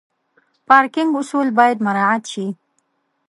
پارکینګ اصول باید مراعت شي.